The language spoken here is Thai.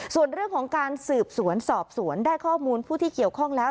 ส่วนเรื่องของการสืบสวนสอบสวนได้ข้อมูลผู้ที่เกี่ยวข้องแล้ว